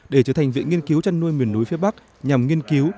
để trở thành viện nghiên cứu chăn nuôi miền núi phía bắc nhằm nghiên cứu